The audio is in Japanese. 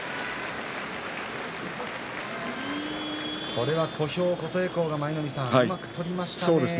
これは小兵の琴恵光がうまく取りましたね。